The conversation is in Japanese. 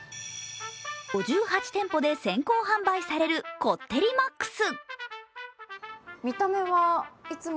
５８店舗で先行販売されるこってりＭＡＸ。